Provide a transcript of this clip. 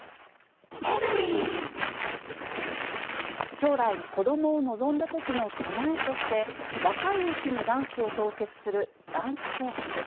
将来、子どもを望んだときの備えとして、若いうちに卵子を凍結する卵子凍結。